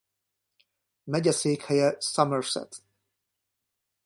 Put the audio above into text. Megyeszékhelye Somerset.